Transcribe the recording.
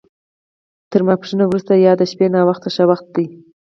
تر ماسپښین وروسته یا د شپې ناوخته ښه وخت دی.